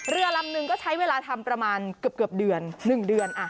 เรือลำนึงก็ใช้เวลาทำประมาณเกือบเดือน๑เดือน